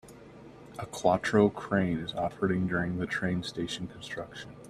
A Quattro crane is operating during the train station construction.